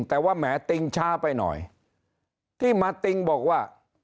แต่ว่าแหมติงช้าไปหน่อยที่มาติ้งบอกว่า